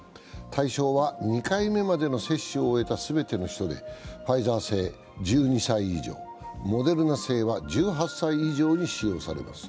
対象は２回目までの接種を終えた全ての人でファイザー製は１２歳以上、モデルナ製は１８歳以上に使用されます。